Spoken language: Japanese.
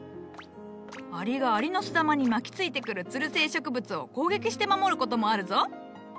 アリがアリノスダマに巻きついてくるつる性植物を攻撃して守ることもあるぞ。